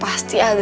nanti kalau apa